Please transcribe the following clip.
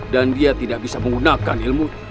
dan dia tidak bisa menggunakan ilmu